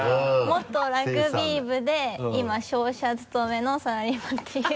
「元ラグビー部で今商社勤めのサラリーマン」っていう。